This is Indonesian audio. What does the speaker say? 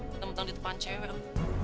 bentang bentang di depan cewek loh